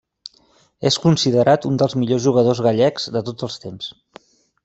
És considerat un dels millors jugadors gallecs de tots els temps.